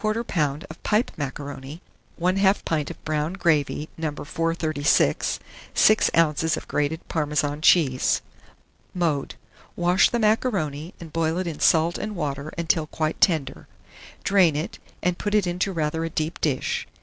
of pipe macaroni, 1/2 pint of brown gravy No. 436, 6 oz. of grated Parmesan cheese. Mode. Wash the macaroni, and boil it in salt and water until quite tender; drain it, and put it into rather a deep dish.